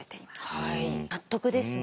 はい納得ですね。